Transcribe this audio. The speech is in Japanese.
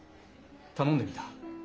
頼んでみた。